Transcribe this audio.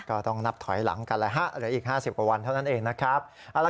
ก็ต้องนับถอยหลังกันอีก๕๐วันเท่านั้นเองนะครับ